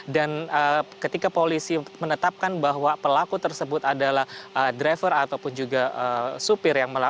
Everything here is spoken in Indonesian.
dan ketika polisi menetapkan bahwa pelaku tersebut adalah driver ataupun juga supir